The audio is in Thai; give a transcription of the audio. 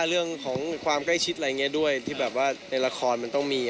เรื่องของความใกล้ชิดอะไรอย่างนี้ด้วยที่แบบว่าในละครมันต้องมี